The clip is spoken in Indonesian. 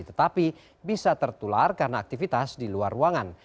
tetapi bisa tertular karena aktivitas di luar ruangan